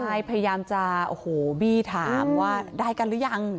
ใช่พยายามจะโอ้โหบี้ถามว่าได้กันหรือยัง